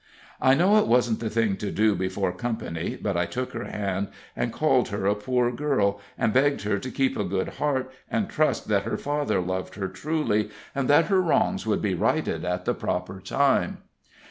I know it wasn't the thing to do before company, but I took her hand and called her a poor girl, and begged her to keep a good heart, and trust that her father loved her truly, and that her wrongs would be righted at the proper time.